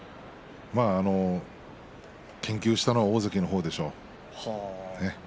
研究したのは大関の方でしょう。